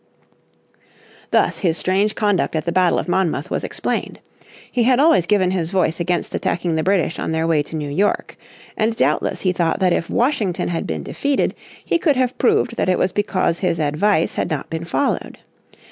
Thus his strange conduct at the battle of Monmouth was explained. He had always given his voice against attacking the British on their way to New York. And doubtless he thought that if Washington had been defeated, he could have proved that it was because his advice had not been followed.